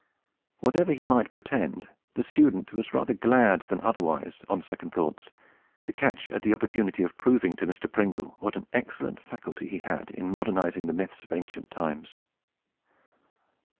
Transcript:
Whatever he might pretend, the student was rather glad than otherwise, on second thoughts, to catch at the opportunity of proving to Mr. Pringle what an excellent faculty he had in modernizing the myths of ancient times.